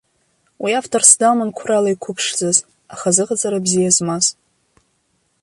Уи авторс даман қәрала иқәыԥшӡаз, аха азыҟаҵара бзиа змаз.